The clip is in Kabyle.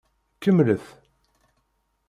Kemmlet!